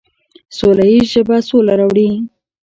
سوله ییزه ژبه سوله راوړي.